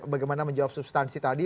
bagaimana menjawab substansi tadi